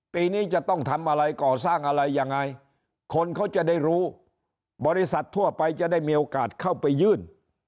ปีนี้จะต้องทำอะไรก่อสร้างอะไรยังไงคนเขาจะได้รู้บริษัททั่วไปจะได้มีโอกาสเข้าไปยื่น